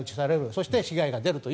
そして被害が出ると。